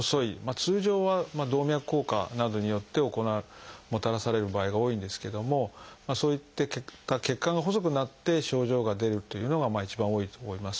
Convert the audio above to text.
通常は動脈硬化などによってもたらされる場合が多いんですけどもそういった血管が細くなって症状が出るというのが一番多いと思います。